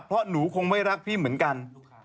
เพราะหนูคงไม่รักพี่เหมือนกัน